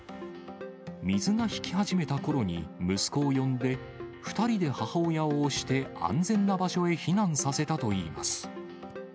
水が引き始めたころに、息子を呼んで、２人で母親を押して、安全な場所へ避難させたといいます。